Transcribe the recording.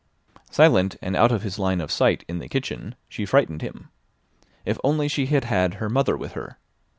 Silent, and out of his line of sight in the kitchen, she frightened him. If only she had had her mother with her.